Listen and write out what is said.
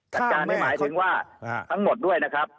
จัดการนี่หมายถึงว่าทั้งหมดด้วยนะครับ